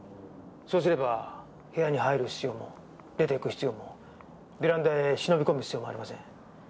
そうすれば部屋に入る必要も出ていく必要もベランダへ忍び込む必要もありません。